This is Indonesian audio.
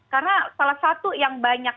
karena salah satu yang banyak